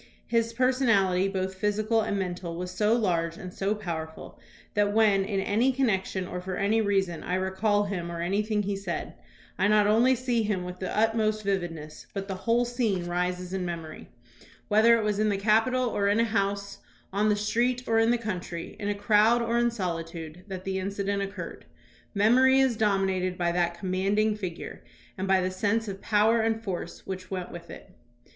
His personality, both physical and mental, was so large and so powerful that when, in any connection or for any reason, I recall him or anything he said, I not only see him with the utmost vividness, but the whole scene rises in memory, 192 THOMAS BRACKETT REED whether it was in the Capitol or in a house, on the street or in the country, in a crowd or in solitude, that the incident occurred. Memory is dominated by that commanding figure and by the sense of power and force which went with it.